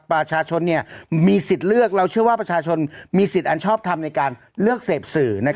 ประชาชนมีสิทธิ์เลือกเราเชื่อว่าประชาชนมีสิทธิ์อันชอบทำในการเลือกเสพสื่อ